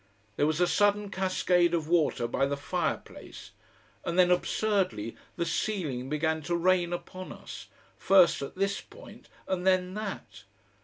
There was a sudden cascade of water by the fireplace, and then absurdly the ceiling began to rain upon us, first at this point and then that.